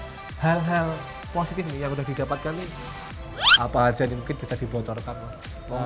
nah hal hal positif nih yang udah didapatkan nih apa aja ini mungkin bisa dibocorkan mas